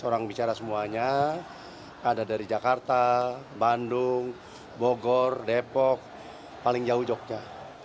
orang bicara semuanya ada dari jakarta bandung bogor depok paling jauh jogja